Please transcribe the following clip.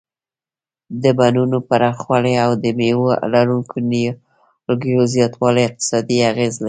د بڼونو پراخوالی او د مېوه لرونکو نیالګیو زیاتول اقتصادي اغیز لري.